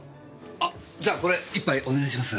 あじゃあこれ１杯お願いします。